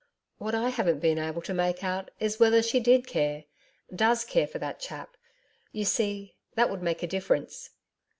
'What I haven't been able to make out is whether she did care does care for that chap. You see, that would make a difference.'